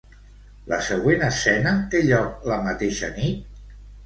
La següent escena té lloc la mateixa nit?